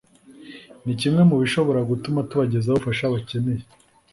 ni kimwe mu bishobora gutuma tubagezaho ubufasha bakeneye